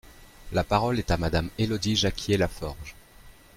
La parole est à Madame Élodie Jacquier-Laforge.